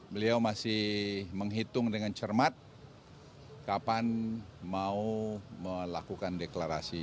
beliau masih menghitung dengan cermat kapan mau melakukan deklarasi